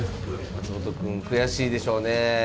松本くん悔しいでしょうね。